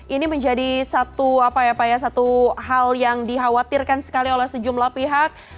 ini menjadi satu hal yang dikhawatirkan sekali oleh sejumlah pihak